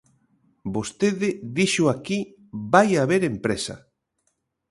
Vostede dixo aquí: vai haber empresa.